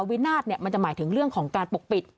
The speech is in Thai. วินาศมันจะหมายถึงเรื่องของการปกปิด